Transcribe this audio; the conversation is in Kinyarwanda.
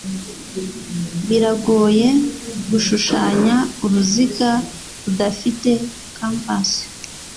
Biragoye gushushanya uruziga rudafite compas.